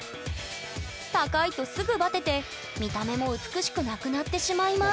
高いとすぐバテて見た目も美しくなくなってしまいます